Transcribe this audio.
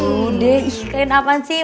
udah ikutin apaan sih